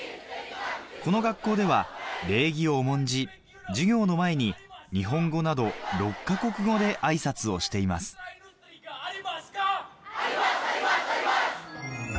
この学校では礼儀を重んじ授業の前に日本語など６か国語で挨拶をしていますあります！あります！あります！